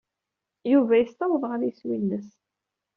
Yuba yessaweḍ ɣer yeswi-nnes.